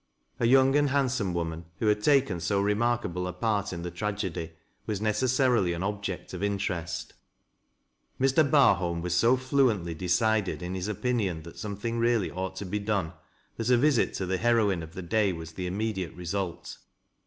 A young and handsome woman, who had taken so remarkable a part in the tragedy, was necessarily an object of interest. Mr. Barholm was so fluently decided in his opinion that something really ought to be done, that a visit to the liei o ine of the day was the immediate result.